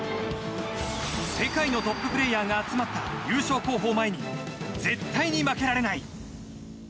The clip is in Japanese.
世界のトッププレーヤーが集まった優勝候補を前に絶対に負けられない。